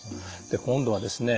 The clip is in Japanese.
で今度はですね